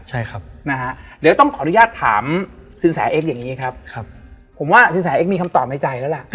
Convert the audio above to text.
ใช่ครับนะฮะเดี๋ยวต้องขออนุญาตถามสินแสเอ็กอย่างนี้ครับผมว่าสินแสเอ็กมีคำตอบในใจแล้วล่ะ